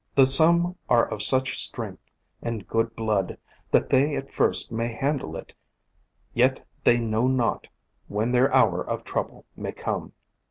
Though some are of such strength and good blood that they at first may handle it, yet they know not when their hour of trouble may come!